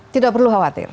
tidak perlu khawatir